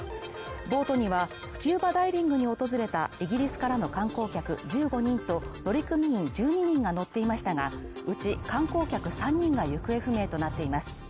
ボートには、スキューバダイビングに訪れたイギリスからの観光客１５人と乗組員１２人が乗っていましたが、うち観光客３人が行方不明となっています。